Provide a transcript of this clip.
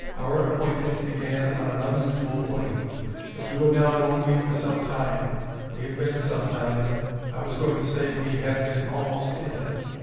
Our acquaintance began on an unusual footing; but you have now known me for some time, we have been some time I was going to say we had been almost intimate.